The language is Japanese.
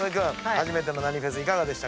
初めての何フェスいかがでしたか？